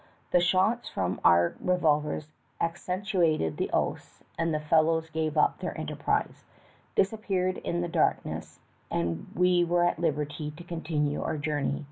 The shots from our revolvers accentuated the oaths and the fellows gave up their enterprise, disappeared in the dark ness, and we were at liberty to continue our journey.